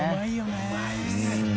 うまいっすね。